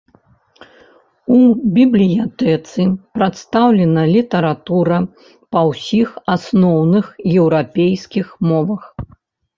У бібліятэцы прадстаўлена літаратура на ўсіх асноўных еўрапейскіх мовах.